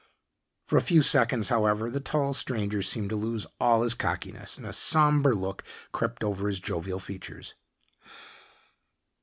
For a few seconds, however, the tall stranger seemed to lose all of his cockiness, and a somber look crept over his jovial features.